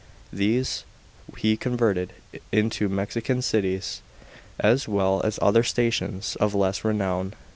These he converted ioto U<*xian cities, as well as other stations of less renown.